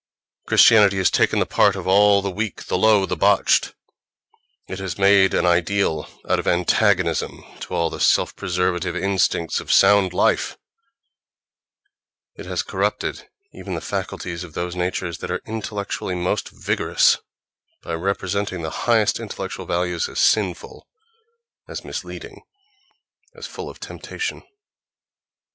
Christianity has taken the part of all the weak, the low, the botched; it has made an ideal out of antagonism to all the self preservative instincts of sound life; it has corrupted even the faculties of those natures that are intellectually most vigorous, by representing the highest intellectual values as sinful, as misleading, as full of temptation.